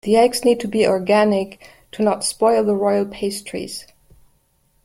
The eggs need to be organic to not spoil the royal pastries.